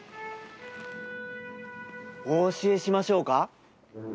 お教えしましょうか？